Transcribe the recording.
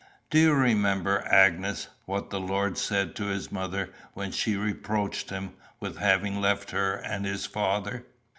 "Do you remember, Agnes, what the Lord said to his mother when she reproached him with having left her and his father?"